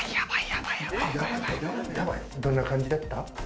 どんな感じだった？